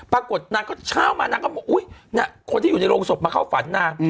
ปรากฏน้ำก็เช้ามาน้ำก็บอกคนที่อยู่ในโรงศพมาเข้าฝันน้ำ